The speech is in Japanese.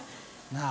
なあ。